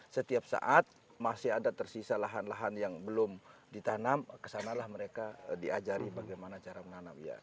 setiap saat masih ada tersisa lahan lahan yang belum ditanam kesanalah mereka diajari bagaimana cara menanam